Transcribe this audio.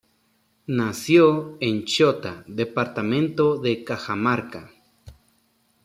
Nació en Chota, departamento de Cajamarca.